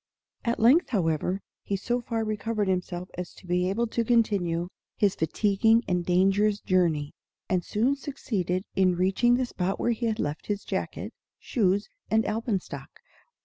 At length, however, he so far recovered himself as to be able to continue his fatiguing and dangerous journey, and soon succeeded in reaching the spot where he had left his jacket, shoes, and alpenstock.